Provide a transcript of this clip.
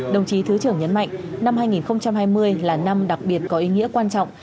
đồng chí thứ trưởng nhấn mạnh năm hai nghìn hai mươi là năm đặc biệt có ý nghĩa quan trọng